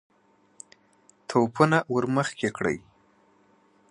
توپونه ور مخکې کړئ!